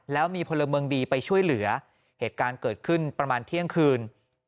แล้วมีพลเมืองดีไปช่วยเหลือเหตุการณ์เกิดขึ้นประมาณเที่ยงคืน